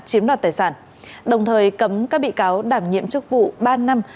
chiếm đoạt tài sản đồng thời cấm các bị cáo đảm nhiệm chức vụ ba năm